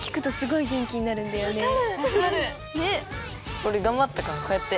おれがんばったからこうやって。